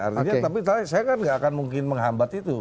artinya tapi saya kan nggak akan mungkin menghambat itu